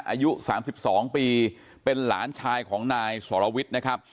อายุสามสิบสองปีเป็นหลานชายของนายสวรวิชนะครับ